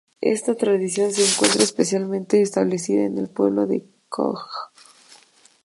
Esta tradición se encuentra especialmente establecida en el pueblo de Køge.